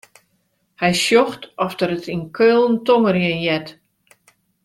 Hy sjocht oft er it yn Keulen tongerjen heart.